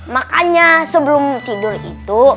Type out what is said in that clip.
makanya sebelum tidur itu